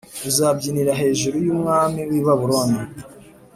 uzabyinira hejuru y’umwami w’i Babiloni